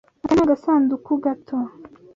Aka ni agasanduku gato.